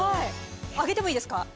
上げてもいいですか？